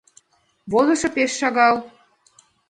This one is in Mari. — Возышо пеш шагал.